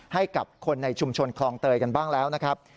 ให้กับคนในชุมชนคลองเตยกันบ้างแล้วนะครับ